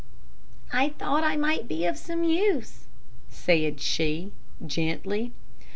"I thought I might be of some use," said she, gently.